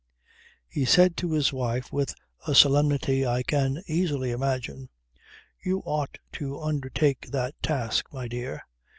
He said to his wife with a solemnity I can easily imagine "You ought to undertake that task, my dear.